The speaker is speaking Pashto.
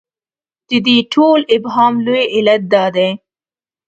د دې ټول ابهام لوی علت دا دی.